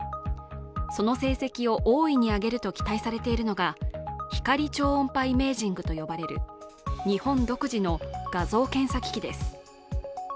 その成績を大いに上げると期待されているのが光超音波イメージングと呼ばれる日本独自の画像検査機器です。